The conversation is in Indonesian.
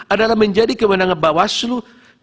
adalah menjadi kewenangan bawaslu